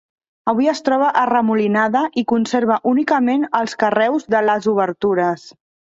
Avui es troba arremolinada i conserva únicament els carreus de les obertures.